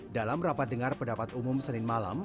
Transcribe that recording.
dalam rapat dengar pendapat umum senin malam